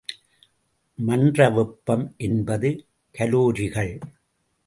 மன்ற வெப்பம எண்பது கலோரிகள்.